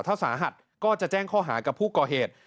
ถ้าสาหัสก็จะแจ้งข้อหากับผู้ก่อเหตุ